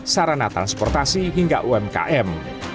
sarana transportasi hingga umkm